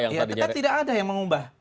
kita tidak ada yang mengubah